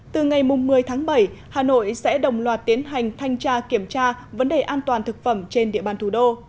từ ngày một mươi tháng bảy hà nội sẽ đồng loạt tiến hành thanh tra kiểm tra vấn đề an toàn thực phẩm trên địa bàn thủ đô